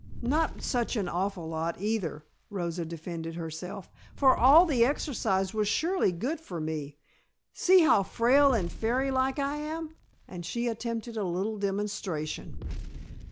"Not such an awful lot, either," Rosa defended herself, "for all the exercise was surely good for me. See how frail and fairy like I am!" and she attempted a little demonstration.